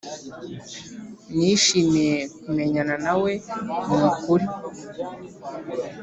nishimiye kumenyana nawe nukuri